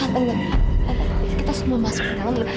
tante nenek kita semua masuk ke dalam